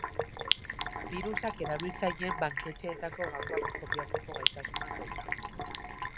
Birusak erabiltzaileen banketxeetako gakoak kopiatzeko gaitasuna zeukan.